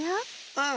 うん！